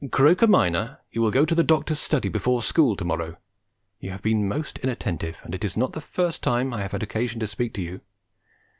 "Now, Croker, minor, you will go to the Doctor's study before school to morrow. You have been most inattentive, and it is not the first time I have had occasion to speak to you.